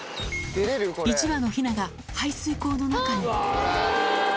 １羽のヒナが排水溝の中に。